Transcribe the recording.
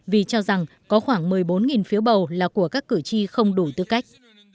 vì cho rằng có khoảng một mươi bốn phiếu bầu là của các cử tri không đủ tư cách